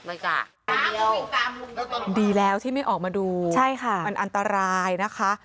ดีแล้วที่ไม่ออกมาดูใช่ค่ะมันอันตรายนะคะ